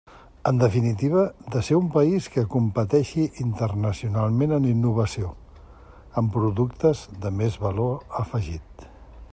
En definitiva, de ser un país que competeixi internacionalment en innovació, amb productes de més valor afegit.